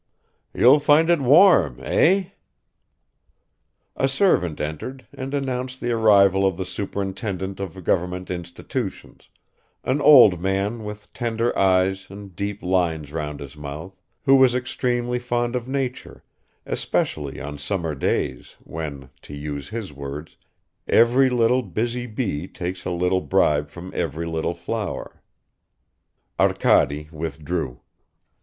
"You'll find it warm, eh?" A servant entered and announced the arrival of the superintendent of government institutions, an old man with tender eyes and deep lines round his mouth, who was extremely fond of nature, especially on summer days, when, to use his words, every little busy bee takes a little bribe from every little flower." Arkady withdrew.